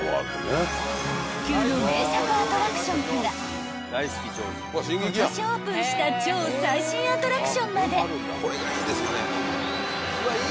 ［不朽の名作アトラクションから今年オープンした超最新アトラクションまで］